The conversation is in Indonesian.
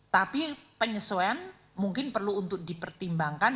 tapi penyesuaian mungkin perlu untuk dipertimbangkan